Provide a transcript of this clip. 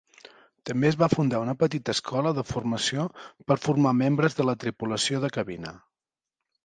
També es va fundar una petita escola de formació per formar membres de la tripulació de cabina.